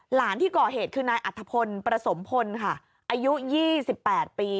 ที่ก่อเหตุคือนายอัฐพลประสมพลค่ะอายุ๒๘ปี